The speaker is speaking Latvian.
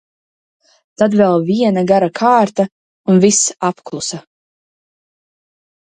Tad vēl viena gara kārta un viss apklusa.